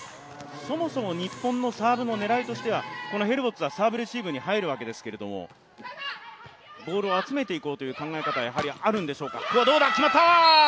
そもそも日本のサーブの狙いとしては、このヘルボッツはサーブレシーブに入るわけですけれども、ボールを集めていこうという考え方がやはりあるんでしょうか。